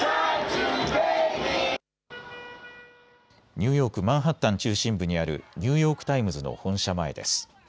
ニューヨーク、マンハッタン中心部にあるニューヨーク・タイムズの本社前です。